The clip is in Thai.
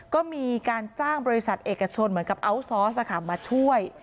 ก็มีการจ้างบริษัทเอกชนเหมือนกับอัลซอสมาช่วย